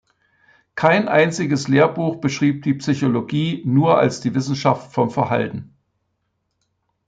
Kein einziges Lehrbuch beschrieb die Psychologie nur als die Wissenschaft vom Verhalten.